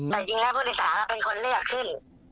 แต่จริงแล้วผู้โดยสารเป็นคนเลือกขึ้น